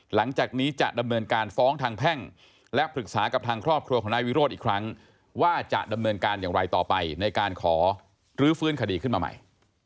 หลังจากนี้จะดำเนินการฟ้องทางแพ่งและปรึกษากับทางครอบครัวของนายวิโรธอีกครั้งว่าจะดำเนินการอย่างไรต่อไปในการขอรื้อฟื้นคดีขึ้นมาใหม่